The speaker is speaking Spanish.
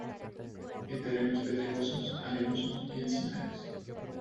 En terrenos pedregosos, arenosos y en encinares.